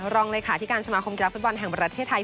รองเลขาธิการสมาคมกีฬาฟุตบอลแห่งประเทศไทย